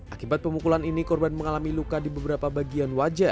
akibat pemukulan ini korban mengalami luka di beberapa bagian wajah